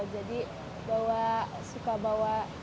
jadi bawa suka bawa